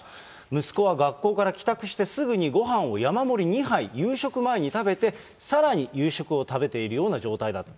息子は学校から帰宅してすぐにごはんを山盛り２杯、夕食前に食べて、さらに夕食を食べているような状態だった。